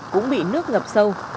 cũng bị nước ngập sâu